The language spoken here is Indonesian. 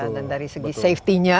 dan dari segi safety nya